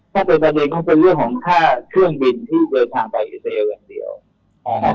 ถ้าเป็นประเด็นก็เป็นเรื่องของค่าเครื่องบินที่เดินทางไปอิสราเอลอย่างเดียวนะครับ